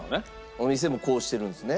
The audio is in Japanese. お店もこうしてるんですね。